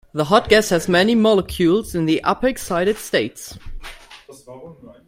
The hot gas has many molecules in the upper excited states.